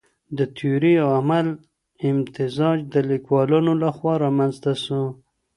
د تيوري او عمل امتزاج د ليکوالانو لخوا رامنځته سو.